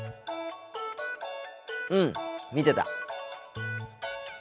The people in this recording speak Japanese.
うん見てた。